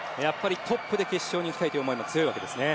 トップで決勝にいきたいという思いが強いわけですね。